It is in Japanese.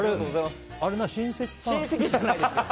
親戚じゃないですよ。